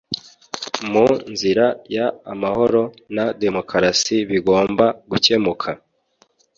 mu nzira y amahoro na demokarasi bigomba gucyemuka